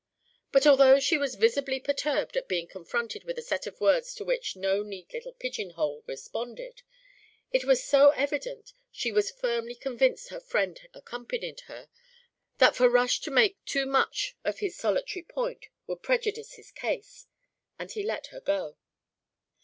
But although she was visibly perturbed at being confronted with a set of words to which no neat little pigeon hole responded, it was so evident she was firmly convinced her friend had accompanied her, that for Rush to make too much of his solitary point would prejudice his case, and he let her go.